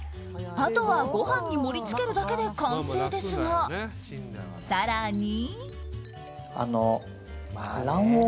あとはご飯に盛り付けるだけで完成ですが、更に。